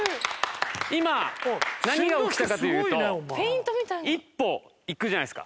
今何が起きたかというと一歩行くじゃないですか。